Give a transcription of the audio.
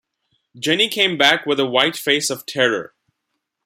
Jenny came back with a white face of terror.